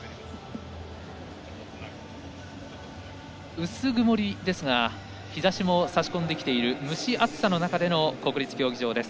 うす曇ですが日ざしも差し込んできている蒸し暑さの中での国立競技場です。